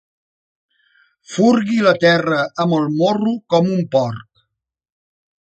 Furgui la terra amb el morro com un porc.